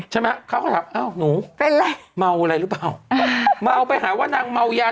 ใช่ใช่ไหมเขาก็ถามอ้าวหนูเหม่าอะไรหรือเปล่าเหม่าไปหาว่านางเมายา